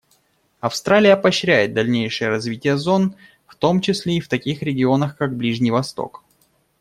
Австралия поощряет дальнейшее развитие зон, в том числе в таких регионах, как Ближний Восток.